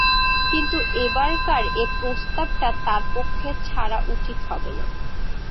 কিন্তু এবারকার এ প্রস্তাবটা তার পক্ষে ছাড়া উচিত হবে না।